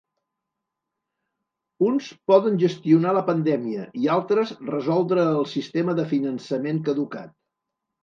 Uns poden gestionar la pandèmia i altres resoldre el sistema de finançament caducat.